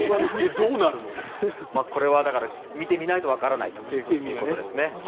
これは見てみないと分からないということですね。